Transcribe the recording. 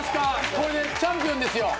これでチャンピオンですよ。